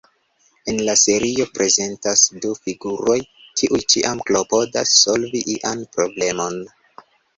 En la serio prezentas du figuroj, kiuj ĉiam klopodas solvi ian problemon.